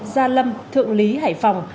gia lâm thượng lý hải phòng